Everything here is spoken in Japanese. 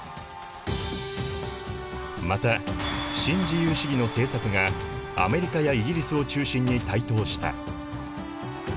また新自由主義の政策がアメリカやイギリスを中心に台頭した。